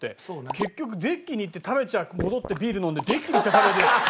結局デッキに行って食べちゃ戻ってビール飲んでデッキに行っちゃ食べて。